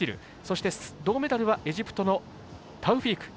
そして、銅メダルはエジプトのタウフィーク。